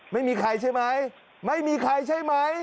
ไม่มีใครใช่ไหมไม่มีใครใช่ไหม